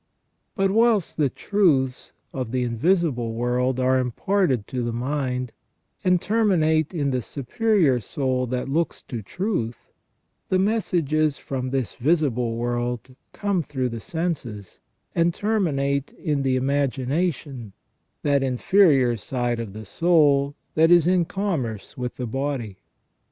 But whilst the truths of the invisible world are imparted to the mind, and terminate in the superior soul that looks to truth, the messages from this visible world come through the senses, and terminate in the imagination, that inferior side of the soul that is in commerce with the body.